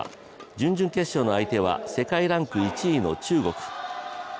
準々決勝の相手は世界ランク１位の中国。